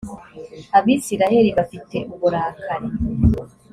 abisirayeli bafite uburakari.